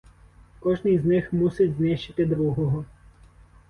Кожний з них мусить знищити другого.